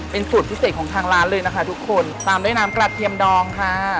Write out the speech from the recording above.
เป็นสูตรพิเศษของทางร้านเลยนะคะทุกคนตามด้วยน้ำกระเทียมดองค่ะ